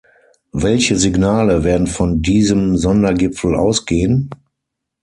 Welche Signale werden von diesem Sondergipfel ausgehen?